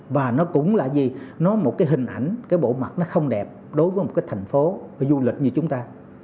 và nó cũng là gì nó một cái hình ảnh cái bộ mặt nó không đẹp đối với một cái thành phố với du lịch như chúng ta